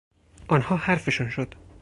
آنها حرفشان شد.